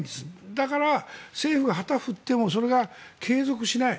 だから政府が旗を振ってもそれが継続しない。